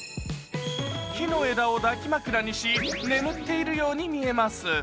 木の枝を抱き枕にし、眠っているように見えます。